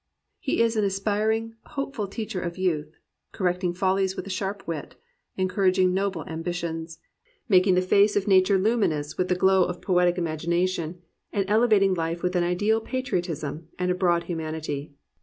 He is an aspiring, hopeful teacher of youth; correcting follies with a sharp wit; encouraging noble ambi tions; making the face of nature luminous with the glow of poetic imagination; and elevating life with an ideal patriotism and a broad humanity.